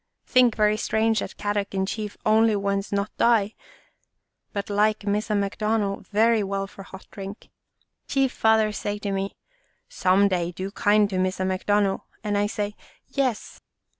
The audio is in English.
Think very strange that Kadok and Chief only ones not die, but like Missa McDonald very well for hot drink. Chief father say to me, ' Some day do kind to Missa McDonald,' and I say ' Yes.'